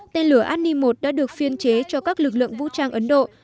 tên lửa ani một đã được phiên chế cho các lực lượng vũ trang ấn độ